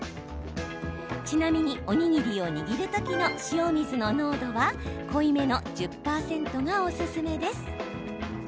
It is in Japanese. ちなみに、おにぎりを握る時の塩水の濃度は濃いめの１０％がおすすめです。